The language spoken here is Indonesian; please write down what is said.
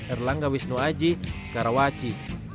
erlangga wisnuaji karawaci